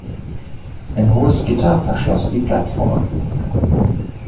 Ein hohes Gitter verschloss die Plattform.